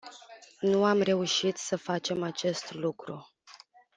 Nu am reușit să facem acest lucru.